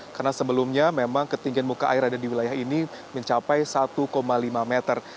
karena sebelumnya memang ketinggian muka air ada di wilayah ini mencapai satu lima meter